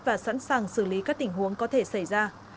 và sẵn sàng xử lý các tình huống có thể xảy ra